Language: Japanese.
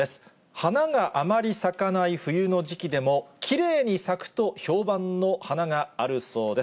花があまり咲かない冬の時期でもきれいに咲くと評判の花があるそうです。